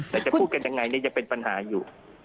แต่จะพูดกันยังไงนี่ยังเป็นปัญหาอยู่